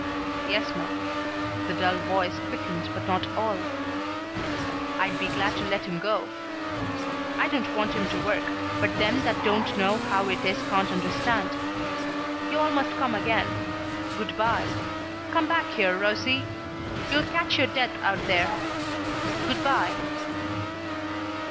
"Yes 'm." The dull voice quickened not at all. "I'd be glad to let him go. I don't want him to work, but them that don't know how it is can't understand. You all must come again. Good by. Come back here, Rosie. You'll catch your death out there. Good by."